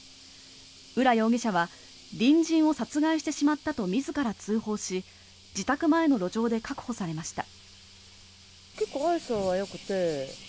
浦容疑者は隣人を殺害してしまったと自ら通報し自宅前の路上で確保されました。